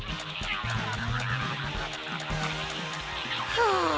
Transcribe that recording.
はあ。